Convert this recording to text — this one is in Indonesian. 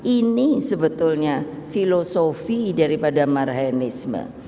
ini sebetulnya filosofi daripada marhanisme